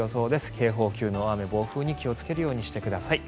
警報級の大雨、暴風に気をつけるようにしてください。